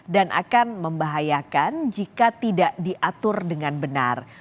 dan akan membahayakan jika tidak diatur dengan benar